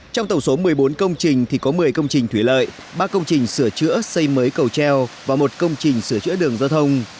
trong tổng số một mươi bốn công trình thì có một mươi công trình thủy lợi ba công trình sửa chữa xây mới cầu treo và một công trình sửa chữa đường giao thông